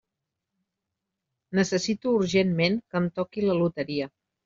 Necessito urgentment que em toqui la loteria.